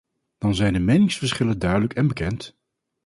Dan zijn de meningsverschillen duidelijk en bekend.